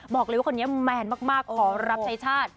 บอกเลยว่าคนนี้แมนมากขอรับใช้ชาติ